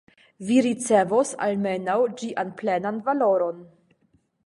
Vi ricevos almenaŭ ĝian plenan valoron.